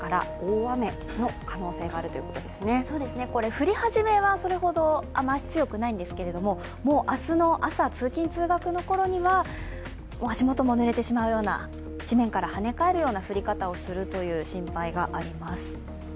降り始めはそれほど雨足強くないんですがもう明日の朝、通勤・通学のころには足元もぬれてしまうような地面からはね返るような降り方をする心配があります。